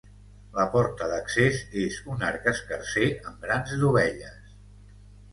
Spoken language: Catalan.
La porta d'accés és un arc escarser amb grans dovelles.